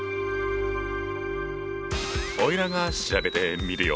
おいらが調べてみるよ。